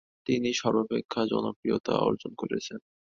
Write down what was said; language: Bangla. তিনি সর্বাপেক্ষা জনপ্রিয়তা অর্জন করেছেন।